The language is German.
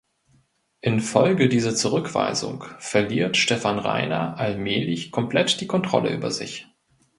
Infolge dieser Zurückweisung verliert Stefan Rainer allmählich komplett die Kontrolle über sich.